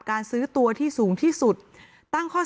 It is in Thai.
และการแสดงสมบัติของแคนดิเดตนายกนะครับ